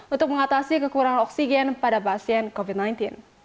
untuk mengatasi kekurangan oksigen pada pasien covid sembilan belas